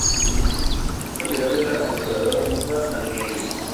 Es propiedad de la aseguradora Mutua Madrileña.